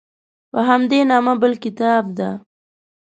په همدې نامه بل کتاب ده.